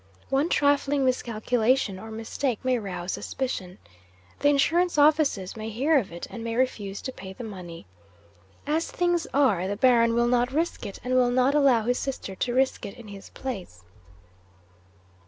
One trifling miscalculation or mistake may rouse suspicion. The insurance offices may hear of it, and may refuse to pay the money. As things are, the Baron will not risk it, and will not allow his sister to risk it in his place.